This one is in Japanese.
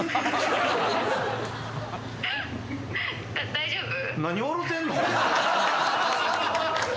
大丈夫？